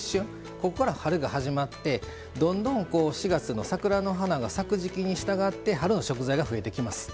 ここから春が始まってどんどんこう４月の桜の花が咲く時季にしたがって春の食材が増えてきます。